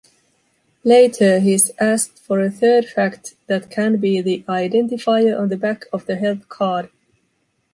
Later he’s asked for a third fact that can be the identifier on the back of the health card.